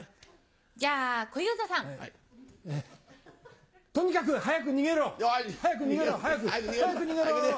じゃ小遊三さん。とにかく早く逃げろ早く逃げろ。早く早く逃げろ！